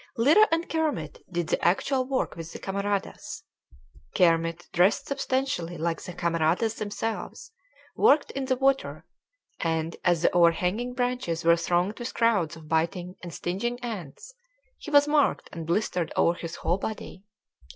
Lyra and Kermit did the actual work with the camaradas. Kermit, dressed substantially like the camaradas themselves, worked in the water, and, as the overhanging branches were thronged with crowds of biting and stinging ants, he was marked and blistered over his whole body.